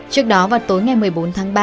trước đó vào tối ngày một mươi bốn tháng ba